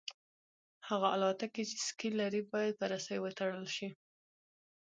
هغه الوتکې چې سکي لري باید په رسۍ وتړل شي